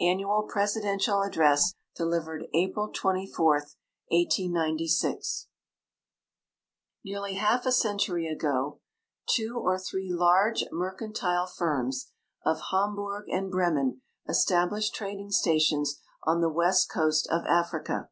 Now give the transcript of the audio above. •Annual presidential address, delivered April 24, 1890. 11 158 AFRICA SINCE 188S Xearl}^ half a centuiy ago two or three large mercantile firms of Hamburg and Bremen established trading stations on the west coast of Africa.